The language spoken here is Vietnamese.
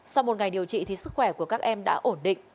sau một ngày điều trị thì sức khỏe của các em đã ổn định